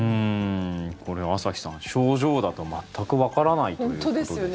これは朝日さん、症状だと全くわからないということです。